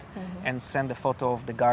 dan mengirim foto kebanyakan hutan